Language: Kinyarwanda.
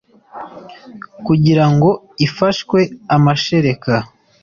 kugira ngo ifashwe.amashereka